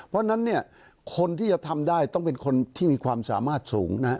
เพราะฉะนั้นเนี่ยคนที่จะทำได้ต้องเป็นคนที่มีความสามารถสูงนะฮะ